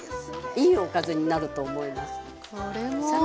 いいおかずになると思います。